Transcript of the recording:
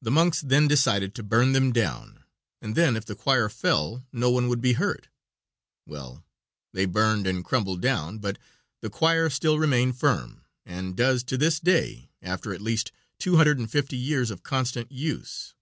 The monks then decided to burn them down, and then if the choir fell no one would be hurt. Well, they burned and crumbled down, but the choir still remained firm, and does to this day, after at least two hundred and fifty years of constant use.